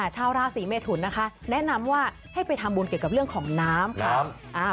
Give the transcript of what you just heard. ชาวราศีเมทุนนะคะแนะนำว่าให้ไปทำบุญเกี่ยวกับเรื่องของน้ำค่ะ